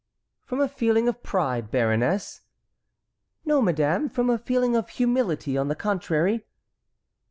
"From a feeling of pride, baroness?" "No, madame, from a feeling of humility, on the contrary."